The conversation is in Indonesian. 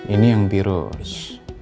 ini yang virus